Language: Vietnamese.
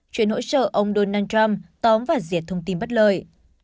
chuyển hỗ trợ ông donald trump tóm và diệt thông tin bất lời